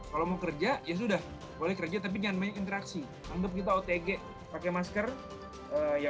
kalau mau kerja ya sudah boleh kerja tapi jangan main interaksi anggap kita otg pakai masker ya